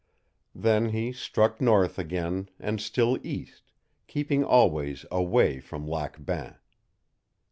Then he struck north again, and still east keeping always away from Lac Bain.